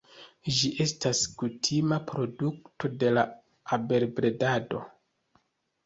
Ĝi estas kutima produkto de la abelbredado.